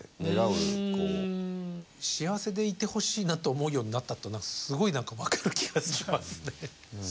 幸せでいてほしいなと思うようになったっていうのはすごい何か分かる気がしますね。